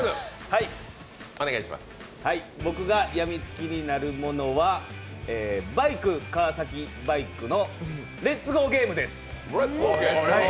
僕がやみつきになるものはバイク川崎バイクのレッツゴーゲームです。